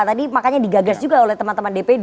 tadi makanya digagas juga oleh teman teman dpd